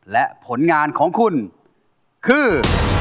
และผลงานของคุณคือ